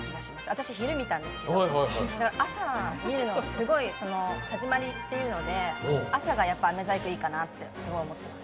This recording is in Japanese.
私、昼見たんですけど、朝見るのは、すごい、始まりというので朝がやっぱりあめ細工、いいかなってすごい思って。